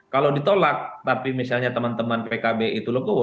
kalau ditolak tapi misalnya teman teman pkb itu legowo